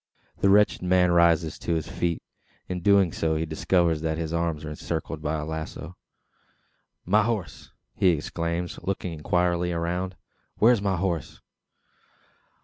The wretched man rises to his feet. In so doing, he discovers that his arms are encircled by a lazo. "My horse?" he exclaims, looking inquiringly around. "Where is my horse?"